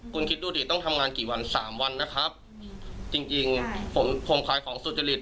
คุณคิดดูดิต้องทำงานกี่วันสามวันนะครับจริงจริงผมผมขายของสุจริต